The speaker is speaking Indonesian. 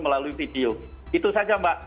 melalui video itu saja mbak